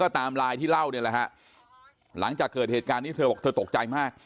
ตามไลน์ที่เล่าเนี่ยแหละฮะหลังจากเกิดเหตุการณ์นี้เธอบอกเธอตกใจมาก